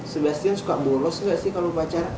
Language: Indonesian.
sebastian suka bolos nggak sih kalau upacara